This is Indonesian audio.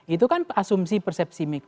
itu kan asumsi persepsi